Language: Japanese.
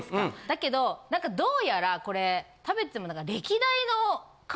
だけどなんかどうやらこれ食べてても。